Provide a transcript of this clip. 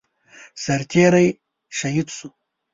سرتيری شهید شو